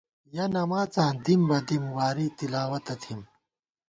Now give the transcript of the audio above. یَہ نماڅاں دِم بہ دِم ، واری تِلاوَتہ تھِم